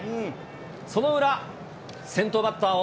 その裏、先頭バッターを。